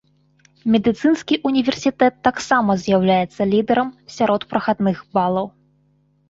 Медыцынскі універсітэт таксама з'яўляецца лідэрам сярод прахадных балаў.